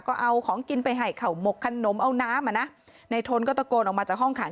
ก็เอาของกินไปให้เขาหมกขนมเอาน้ำอ่ะนะในทนก็ตะโกนออกมาจากห้องขาย